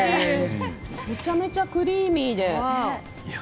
めちゃめちゃクリーミーで。